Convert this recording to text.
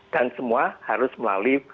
dan semua harus melalui